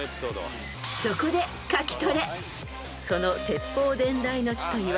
［そこで書きトレ］